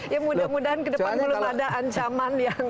ya mudah mudahan ke depan belum ada ancaman yang